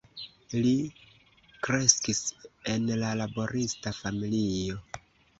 Li kreskis en laborista familio.